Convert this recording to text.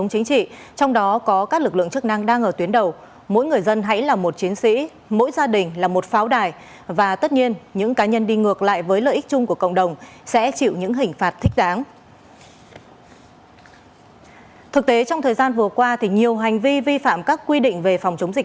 hàng ngày lực lượng chức năng vẫn đang phải cắt